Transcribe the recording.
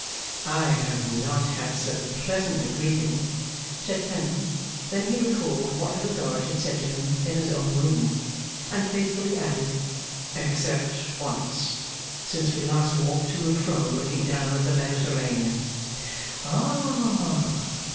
'I have not had so pleasant a greeting,' said Clennam then he recalled what Little Dorrit had said to him in his own room, and faithfully added 'except once since we last walked to and fro, looking down at the Mediterranean.' 'Ah!